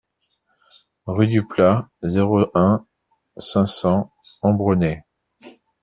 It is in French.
Rue du Plat, zéro un, cinq cents Ambronay